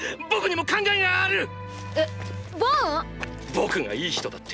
僕がいい人だって？